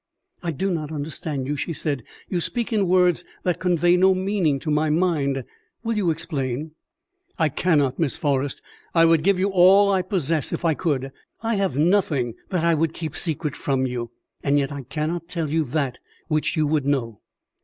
"I do not understand you," she said; "you speak in words that convey no meaning to my mind. Will you explain?" "I cannot, Miss Forrest. I would give all I possess if I could. I have nothing that I would keep secret from you, and yet I cannot tell you that which you would know."